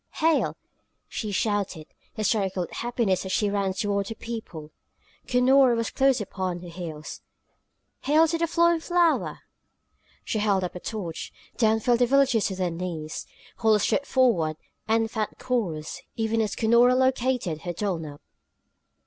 "Hail!" she shouted, hysterical with happiness as she ran toward her people. Cunora was close upon her heels. "Hail to the flowing flower!" She held up a torch. Down fell the villagers to their knees. Holla strode forward and found Corrus, even as Cunora located her Dulnop.